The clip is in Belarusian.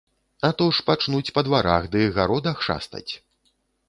А то ж пачнуць па дварах ды гародах шастаць.